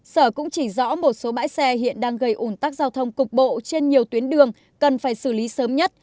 sở cũng chỉ rõ một số bãi xe hiện đang gây ủn tắc giao thông cục bộ trên nhiều tuyến đường cần phải xử lý sớm nhất